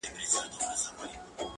راسه قباله يې درله در کړمه؛